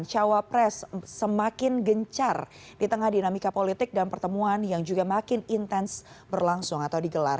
cawapres semakin gencar di tengah dinamika politik dan pertemuan yang juga makin intens berlangsung atau digelar